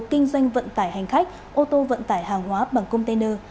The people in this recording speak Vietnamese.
kinh doanh vận tải hành khách ô tô vận tải hàng hóa bằng container